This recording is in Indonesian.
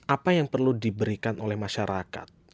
apa yang perlu diberikan oleh masyarakat